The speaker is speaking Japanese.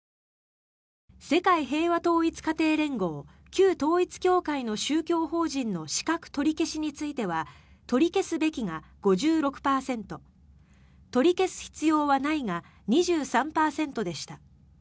世界平和統一家庭連合旧統一教会の宗教法人の資格取り消しについては取り消すべきが５６％取り消す必要はないが２３％でした。